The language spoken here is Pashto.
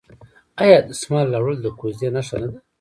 آیا د دسمال راوړل د کوژدې نښه نه ده؟